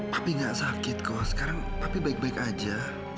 papi gak sakit kok sekarang papi baik baik aja